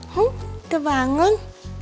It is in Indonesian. huh udah bangun